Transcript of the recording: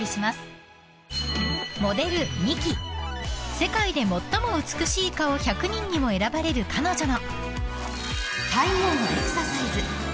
［世界で最も美しい顔１００人にも選ばれる彼女の］